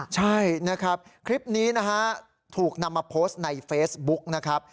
ใช่นะครับคลิปนี้นะฮะถูกนำมาโพสต์ในเฟซบุ๊กนะครับ